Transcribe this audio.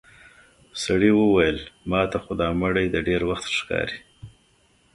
سړي وويل: ماته خو دا مړی د ډېر وخت ښکاري.